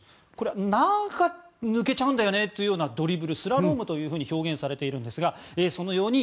何か抜けちゃうんだよねというドリブル、スラロームと表現されているんですが。